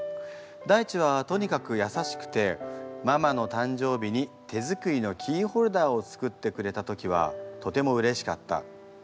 大馳はとにかくやさしくてママの誕生日に手作りのキーホルダーを作ってくれた時はとてもうれしかった。